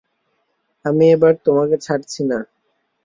আমি এবার তোমাকে ছাড়ছি না।